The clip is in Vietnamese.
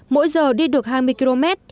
mỗi giờ đi được hai mươi km